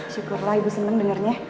syukurlah ibu seneng dengernya